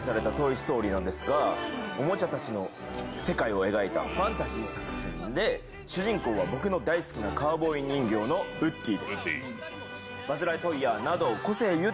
おもちゃたちの世界を描いたファンタジー作品で主人公は僕の大好きなカーボウイ人形のウッディです。